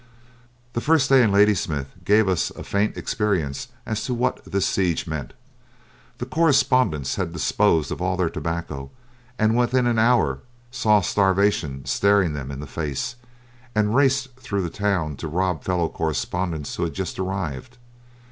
That first day in Ladysmith gave us a faint experience as to what the siege meant. The correspondents had disposed of all their tobacco, and within an hour saw starvation staring them in the face, and raced through the town to rob fellow correspondents who had just arrived.